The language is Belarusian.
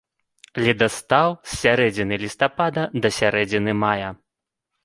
Ледастаў з сярэдзіны лістапада да сярэдзіны мая.